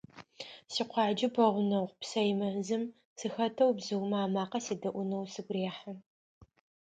Тикъуаджэ пэгъунэгъу псэй мэзым сыхэтэу бзыумэ амакъэ седэӀуныр сыгу рехьы.